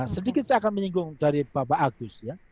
sedikit saya akan menyinggung dari bapak agus ya